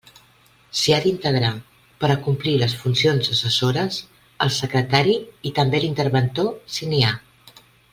S'hi ha d'integrar, per a complir les funcions assessores, el secretari i també l'interventor, si n'hi ha.